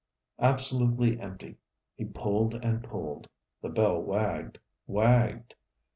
Absolutely empty. He pulled and pulled. The bell wagged, wagged.